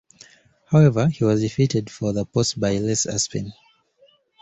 However, he was defeated for the post by Les Aspin.